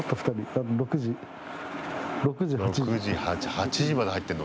８時まで入ってんの？